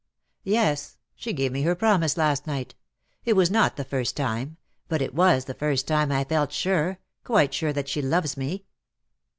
"Yes. She gave me her promise last night. It was not the first time: but it was the first time I felt sure, quite sure that she loves me."